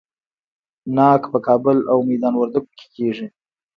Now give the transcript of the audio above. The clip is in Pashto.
ناک په کابل او میدان وردګو کې کیږي.